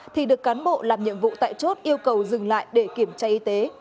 thì được cán bộ làm nhiệm vụ tại chốt yêu cầu dừng lại để kiểm tra y tế